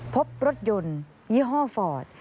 พบรถยนต์ยี่ห้อฟอร์ด